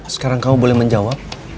sekarang kamu boleh menjawab